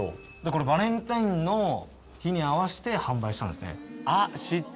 これバレンタインの日に合わせて販売したんですね。